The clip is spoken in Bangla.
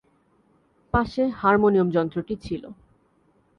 পাশে হারমোনিয়ম-যন্ত্রটি ছিল।